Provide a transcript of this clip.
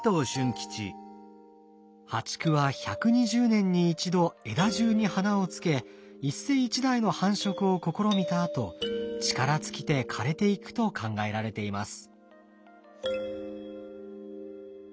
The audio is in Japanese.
淡竹は１２０年に一度枝じゅうに花をつけ一世一代の繁殖を試みたあと力尽きて枯れていくと考えられています。